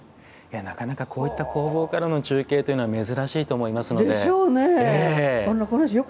なかなかこういった工房からの中継は珍しいと思いますので。